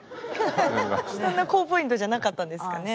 そんな高ポイントじゃなかったんですかね。